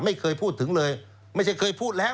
ไม่เคยพูดถึงเลยไม่ใช่เคยพูดแล้ว